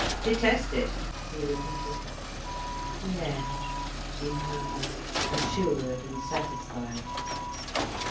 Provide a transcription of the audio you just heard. "Detest it," he repeated. "Yes," she murmured, assured and satisfied.